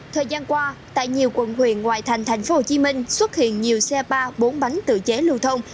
thời gian qua tại nhiều quận huyện ngoài thành tp hcm xuất hiện nhiều xe ba bốn bánh tự chế lưu thông